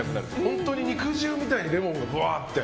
本当に肉汁みたいにレモンがぶわーって。